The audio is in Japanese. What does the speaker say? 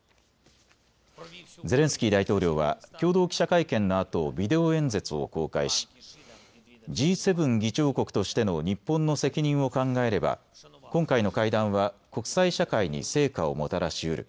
ゼレンスキー大統領は共同記者会見のあとビデオ演説を公開しＧ７議長国としての日本の責任を考えれば今回の会談は国際社会に成果をもたらしうる。